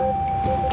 di titik kmnya cirawas